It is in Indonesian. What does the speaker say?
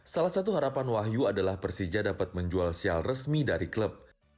salah satu harapan wahyu adalah persija dapat menjual sial resmi dari klub